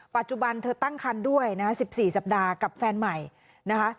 ปัจจุบันเธอตั้งคันด้วยนะคะ๑๔สัปดาห์กับแฟนใหม่นะคะ